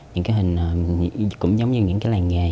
những cái hình cũng giống như những cái làng nghề